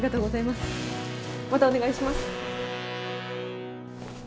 またお願いします。